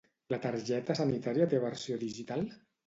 La targeta sanitària té versió digital?